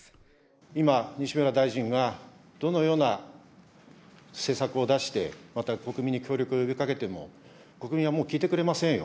今、西村大臣がどのような政策を出して、また国民に協力を呼びかけても、国民はもう聞いてくれませんよ。